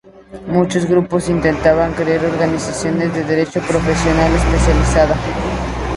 Muchos grupos intentaban crear organizaciones de derecho profesional especializada.